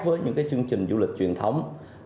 với những cái chương trình du lịch truyền thống